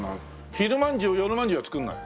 昼まんじゅう夜まんじゅうは作らないの？